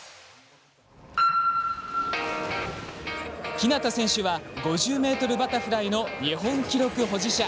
日向選手は５０ｍバタフライの日本記録保持者。